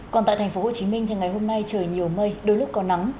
còn tại thành phố hồ chí minh thì ngày hôm nay trời nhiều mây đôi lúc có nắng